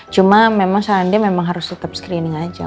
cuma memang sekarang dia harus tetep screening aja